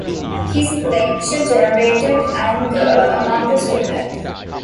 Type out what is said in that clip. His lecture generated anger among the students.